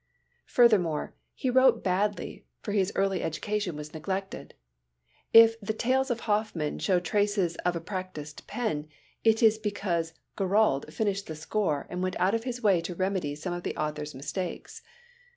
Furthermore, he wrote badly, for his early education was neglected. If the Tales of Hoffman shows traces of a practised pen, it is because Guiraud finished the score and went out of his way to remedy some of the author's mistakes.